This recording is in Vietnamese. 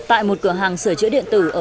và phần lớn rác thải điện tử